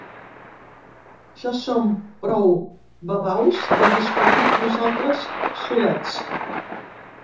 Ja som prou babaus de discutir nosaltres solets.